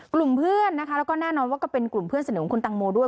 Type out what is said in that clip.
กลุ่มเพื่อนนะคะแล้วก็แน่นอนว่าก็เป็นกลุ่มเพื่อนสนิทของคุณตังโมด้วย